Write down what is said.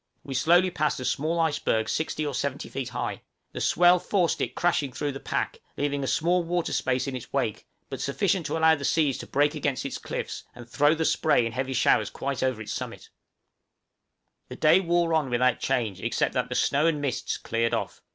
We slowly passed a small iceberg 60 or 70 feet high; the swell forced it crashing through the pack, leaving a small water space in its wake, but sufficient to allow the seas to break against its cliffs, and throw the spray in heavy showers quite over its summit. {CLEAR OF THE PACK.} The day wore on without change, except that the snow and mists cleared off.